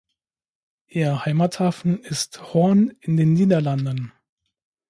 Ihr Heimathafen ist Hoorn in den Niederlanden.